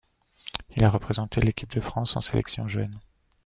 Il a représenté l'équipe de France en sélection jeune.